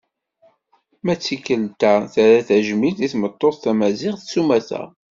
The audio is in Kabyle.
Ma d tikelt-a terra tajmilt i tmeṭṭut tamaziɣt s umata.